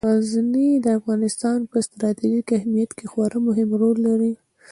غزني د افغانستان په ستراتیژیک اهمیت کې خورا مهم رول لري.